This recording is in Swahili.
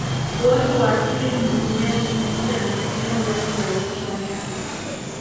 Uoto wa asili mwingineo ni pamoja na maeneo wazi ya uoto wa nyasi